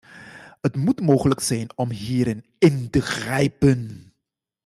Het moet mogelijk zijn om hierin in te grijpen.